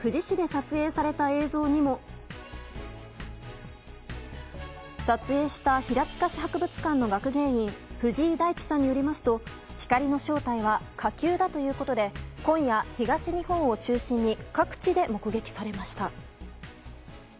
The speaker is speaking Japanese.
撮影した平塚市博物館の学芸員藤井大地さんによりますと光の正体は火球だということで今夜、東日本を中心に各地で目撃されました。